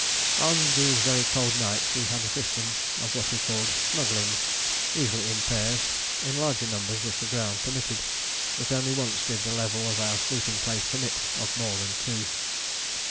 On these very cold nights we had a system of what we called snuggling, usually in pairs; in larger numbers if the ground permitted, but only once did the level of our sleeping place permit of more than two.